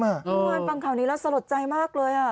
พี่ม่อนฟังข่าวนี้แล้วสะหรับใจมากเลย